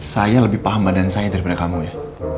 saya lebih paham badan saya daripada kamu ya